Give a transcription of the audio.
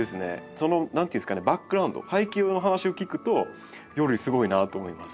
その何ていうんですかねバックグラウンド背景の話を聞くとよりすごいなと思います。